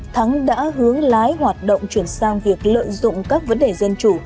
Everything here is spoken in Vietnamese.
thắng đã hướng lái hoạt động chuyển sang việc lợi dụng các vấn đề dân chủ